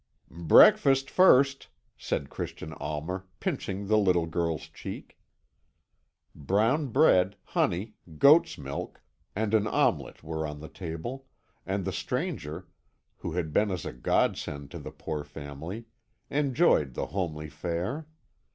"Breakfast first," said Christian Almer, pinching the little girl's cheek. Brown bread, honey, goat's milk, and an omelette were on the table, and the stranger, who had been as a godsend to the poor family, enjoyed the homely fare.